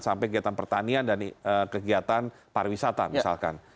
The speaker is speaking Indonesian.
sampai kegiatan pertanian dan kegiatan pariwisata misalkan